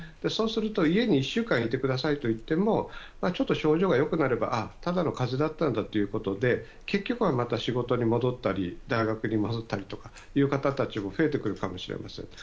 そうすると、家に１週間いてくださいといってもちょっと症状が良くなればただの風邪だったんだということで結局は仕事に戻ったり大学に戻ったりという方たちが増えてくるかもしれません。